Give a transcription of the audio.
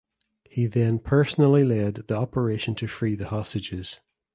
He then personally led the operation to free the hostages.